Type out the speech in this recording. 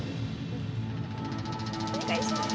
お願いします！